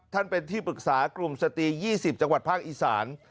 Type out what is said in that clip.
ท่านเป็นที่ปรึกษากลุ่มสตรี๒๐จังหวัดภาคอีสาน